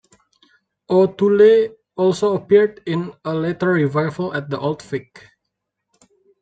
O'Toole also appeared in a later revival at the Old Vic.